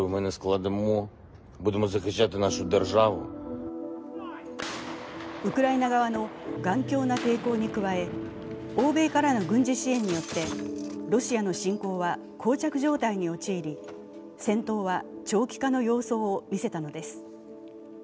ところがウクライナ側の頑強な抵抗に加え欧米からの軍事支援によってロシアの侵攻はこう着状態に陥り戦闘は長期化の様相を見せたのです。